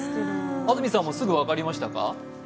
安住さん、すぐ分かりましたか？